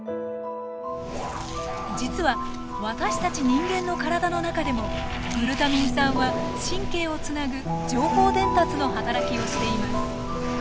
実は私たち人間の体の中でもグルタミン酸は神経をつなぐ情報伝達の働きをしています。